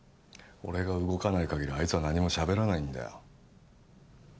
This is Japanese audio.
俺が動かないかぎりあいつは何もしゃべらないんだよ